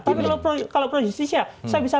tapi kalau pro justisia saya bisa